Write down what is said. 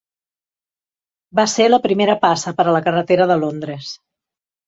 Va ser la primera passa per a la carretera de Londres.